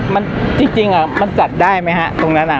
มันจริงจริงอ่ะมันจัดได้ไหมฮะตรงนั้นอ่ะ